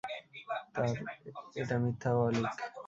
এটা মিথ্যা ও অলীক।